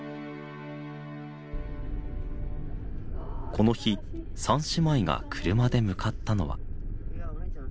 この日三姉妹が車で向かったのは。